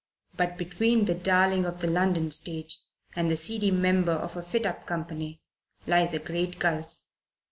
But between the darling of the London stage and a seedy member of a fit up company lies a great gulf.